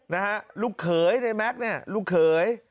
นะฮะลูกเขยในแม็กซ์เนี่ยลูกเขย